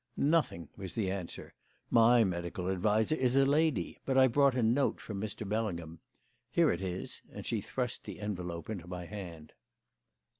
"Nothing," was the answer. "My medical adviser is a lady; but I've brought a note from Mr. Bellingham. Here it is," and she thrust the envelope into my hand.